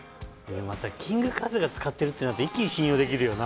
またキングカズが使ってるってなったら一気に信用できるよな。